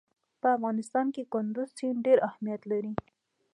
په افغانستان کې کندز سیند ډېر اهمیت لري.